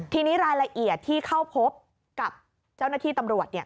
ทีนี้รายละเอียดที่เข้าพบกับเจ้าหน้าที่ตำรวจ